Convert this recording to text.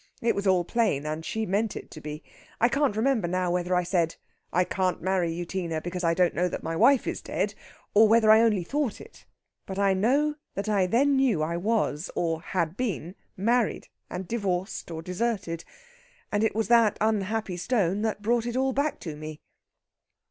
It was all plain, and she meant it to be. I can't remember now whether I said, 'I can't marry you, Tina, because I don't know that my wife is dead,' or whether I only thought it. But I know that I then knew I was, or had been, married and divorced or deserted. And it was that unhappy stone that brought it all back to me."